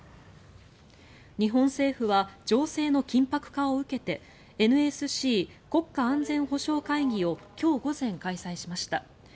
日本政府は情勢の緊迫化を受けてＮＳＣ・国家安全保障会議を今日午前、開催しました。